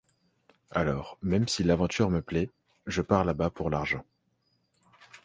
Alors, même si l'aventure me plaît, je pars là-bas pour l´argent.